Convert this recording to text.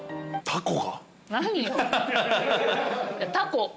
タコ！